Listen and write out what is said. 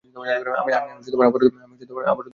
আমি আবারও দুঃখিত।